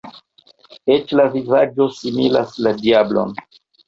Eĉ la vizaĝo similas la diablon!